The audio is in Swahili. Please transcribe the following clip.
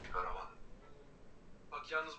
msikilizaji kuukamilisha mwaka elfu mbili na kumi